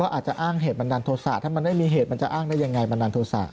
อาจจะอ้างเหตุบันดาลโทษะถ้ามันไม่มีเหตุมันจะอ้างได้ยังไงบันดาลโทษะ